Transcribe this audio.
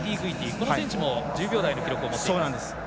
この選手も１０秒台の記録持っています。